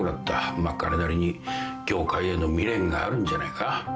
彼なりに業界への未練があるんじゃないか？